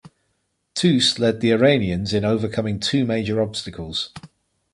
Tous led the Iranians in overcoming two major obstacles.